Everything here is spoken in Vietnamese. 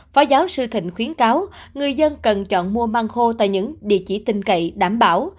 phó giáo sư thịnh khuyến cáo người dân cần chọn mua mang khô tại những địa chỉ tin cậy đảm bảo